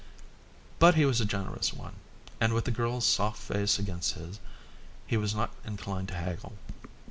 But he was a generous one, and with the girl's soft face against his, he was not inclined to haggle.